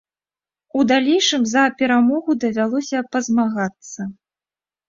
У далейшым за перамогу давялося пазмагацца.